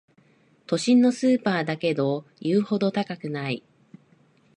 都心のスーパーだけど言うほど高くない